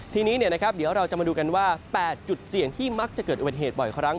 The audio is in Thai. ทีนี้เดี๋ยวเราจะมาดูกันว่า๘จุดเสี่ยงที่มักจะเกิดอุบัติเหตุบ่อยครั้ง